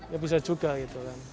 ya bisa juga gitu kan